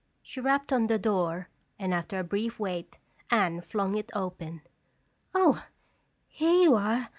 She rapped on the door and after a brief wait, Anne flung it open. "Oh, here you are!